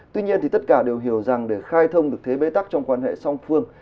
tuy nhiên tất cả đều hiểu rằng để khai thông được thế bế tắc trong quan hệ song phương